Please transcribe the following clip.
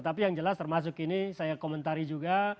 tapi yang jelas termasuk ini saya komentari juga